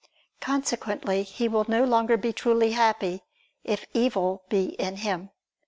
Consequently he will no longer be truly happy, if evil be in him.